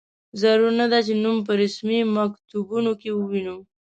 ضرور نه ده چې نوم په رسمي مکتوبونو کې ووینو.